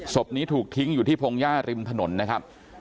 ศพนี้ถูกทิ้งอยู่ที่พงหญ้าริมถนนนะครับ